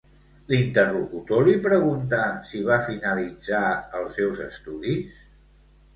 L'interlocutor li pregunta si va finalitzar els seus estudis?